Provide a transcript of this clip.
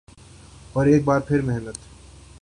اورایک بار پھر محنت